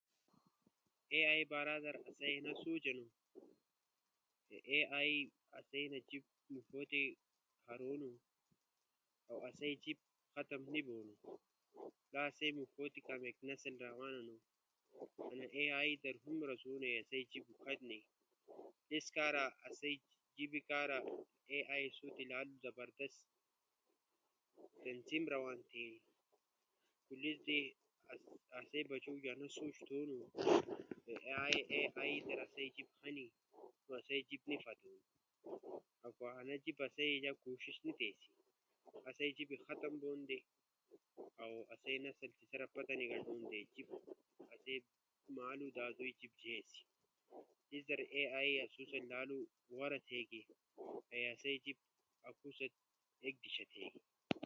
اے ائی بارا در اسو انا سوچ ہنو، چی اے ائی آسو جیب موݜو تی آرونو اؤ آسئی جیِب ختم نی بونو۔ لا اسئی موݜو تی کامیک نسل راروان ہنو اے آئی در ہم رزونا آسئی جیب موݜوتی نئی۔ لیس کارا اسو تی جیبے کارا اے آئی لالو زبردست تنظیم روان تھیگو۔ لیس در اسئی بچو در انا سوچ تھونو، اے آئی در آسئی جیب ہنی، آسئی جیب نی پھتیم۔ اؤ کو اسئی جیب در انا اینا کوشش نی تھئی آسئی جیبے ختم بونودے، اؤ آسئی نسل تی سرہ پتہ نی گھتونو تی آسو مالو دادوئی جیب جے اسی۔ سیس در اے ائی آسو ست غورا تھیگی، کے آسئی جیب اکو ست ایک دیشا تھیگی۔